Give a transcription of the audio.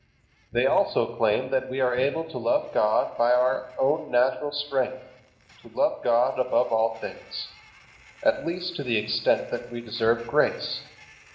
They also claim that we are able to love God by our own natural strength, to love God above all things, at least to the extent that we deserve grace.